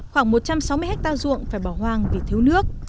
khoảng một trăm sáu mươi hectare ruộng phải bỏ hoang vì thiếu nước